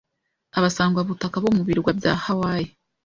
Abasangwabutaka bo mu birwa bya Hawaii